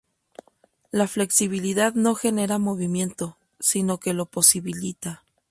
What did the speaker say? La flexibilidad no genera movimiento, sino que lo posibilita.